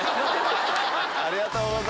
ありがとうございます。